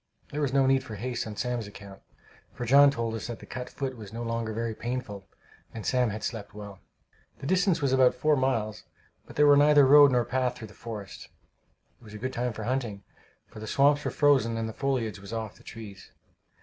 There was no need for haste on Sam's account, for John told us that the cut foot was no longer very painful, and Sam had slept well. The distance was about four miles, but there was neither road nor path through the forest. It was a good time for hunting, for the swamps were frozen and the foliage was off the trees.